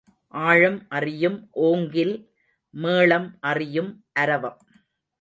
ஆழம் அறியும் ஓங்கில் மேளம் அறியும் அரவம்.